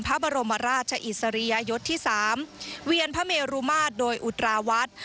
พระบรมราชอิสริยยศที่๓เวียนพระเมรุมาตรโดยอุตราวัด